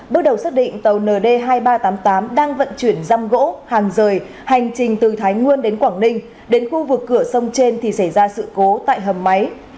bước đầu xác định tàu nd hai nghìn ba trăm tám mươi tám đang vận chuyển răm gỗ hàng rời hành trình từ thái nguôn đến quảng ninh đến khu vực cửa sông trên thì xảy ra sự cố tại hầm máy